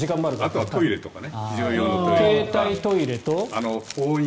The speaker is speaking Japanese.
あとは非常用トイレとか。